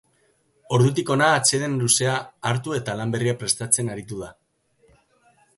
Ordutik hona atseden luzea hartu eta lan berria prestatzen aritu da.